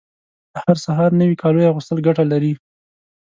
هر سهار نوي کالیو اغوستل ګټه لري